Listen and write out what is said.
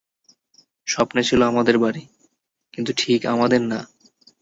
স্বপ্নে ছিল আমাদের বাড়ি, কিন্তু ঠিক আমাদের না।